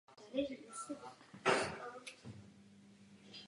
Koordinuje rovněž mezinárodní spolupráci v oblasti archivnictví.